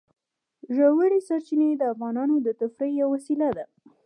ژورې سرچینې د افغانانو د تفریح یوه وسیله ده.